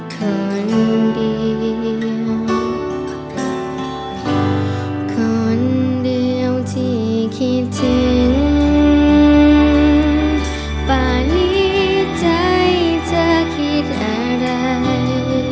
คนเดียวเพราะคนเดียวที่คิดถึงป่านี้ใจเธอคิดอะไร